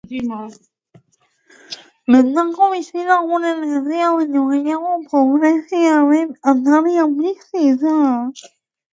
Bertako bizilagunen erdia baino gehiago pobreziaren atarian bizi da.